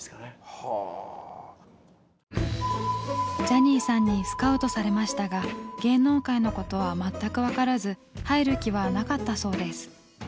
ジャニーさんにスカウトされましたが芸能界のことは全く分からず入る気はなかったそうです。